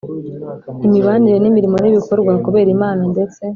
imibanire imirimo n ibikorwa kubera Imana ndetse